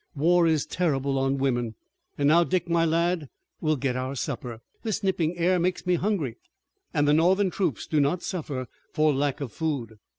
War is terrible on women. And now, Dick, my lad, we'll get our supper. This nipping air makes me hungry, and the Northern troops do not suffer for lack of food."